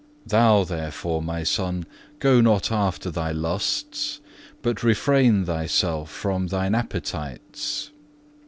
Thou therefore, my son, go not after thy lusts, but refrain thyself from thine appetites.